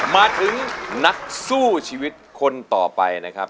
มาถึงนักสู้ชีวิตคนต่อไปนะครับ